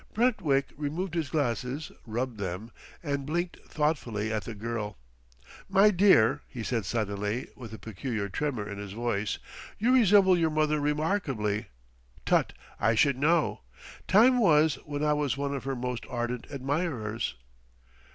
Brentwick removed his glasses, rubbed them, and blinked thoughtfully at the girl. "My dear," he said suddenly, with a peculiar tremor in his voice, "you resemble your mother remarkably. Tut I should know! Time was when I was one of her most ardent admirers."